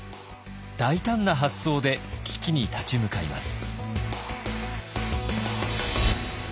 大胆な発想で危機に立ち向かいます。